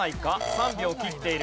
３秒切っている。